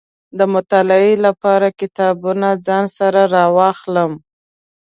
د مطالعې لپاره کتابونه ځان سره را اخلم.